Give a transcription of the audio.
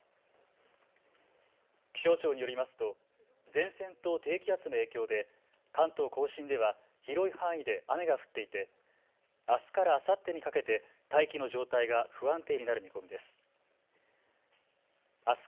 気象庁によりますと前線と低気圧の影響で関東甲信では広い範囲で雨が降っていて、あすからあさってにかけて大気の状態が不安定になる見込みです。